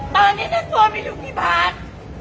ตอนนี้ท่านตัวไม่รู้กี่บาท